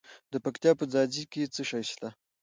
د پکتیا په ځاځي کې څه شی شته؟